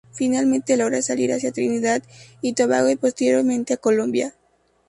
Finalmente logra salir hacia Trinidad y Tobago y posteriormente a Colombia.